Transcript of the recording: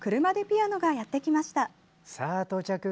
ｄｅピアノがやってきました。